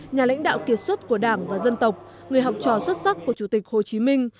nhà lãnh đạo kiệt xuất của đảng và dân tộc người học trò xuất sắc của chủ tịch hồ chí minh